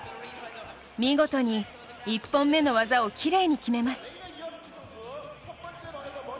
見事に１本目の技をきれいに決めます。